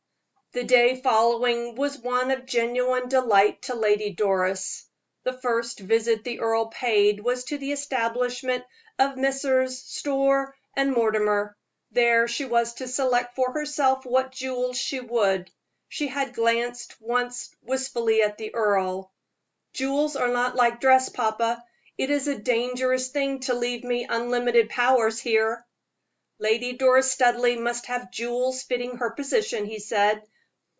The day following was one of genuine delight to Lady Doris. The first visit the earl paid was to the establishment of Messrs. Storr & Mortimer; there she was to select for herself what jewels she would. She had glanced once wistfully at the earl. "Jewels are not like dress, papa. It is a dangerous thing to leave me unlimited powers here." "Lady Doris Studleigh must have jewels fitting her position," he said.